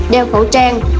đeo khẩu trang